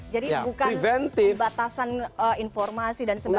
jadi bukan pembatasan informasi dan sebagainya